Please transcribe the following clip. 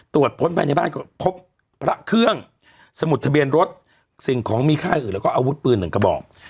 ตรวจค้นภายในบ้านก็พบพระเครื่องสมุดทะเบียนรถสิ่งของมีค่าอื่นแล้วก็อาวุธปืนหนึ่งกระบอก